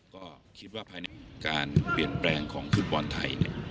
ก็คิดว่าภายในการเปลี่ยนแปลงของฟุตบอลไทย